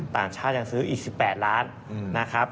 ต่างชาติยังซื้ออีก๑๘ล้านนะครับ